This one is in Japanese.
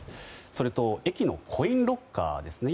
それと駅のコインロッカーですね。